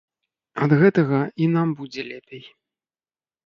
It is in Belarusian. Ад гэтага і нам будзе лепей.